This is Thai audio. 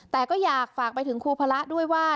แต่ก็อยากฝากไปถึงครูพระด้วยว่า